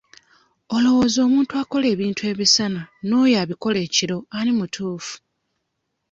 Olowooza omuntu akola ebintu emisana n'oyo abikola ekiro ani mutuufu?